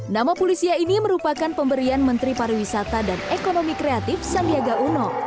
nama polisia ini merupakan pemberian menteri pariwisata dan ekonomi kreatif sandiaga uno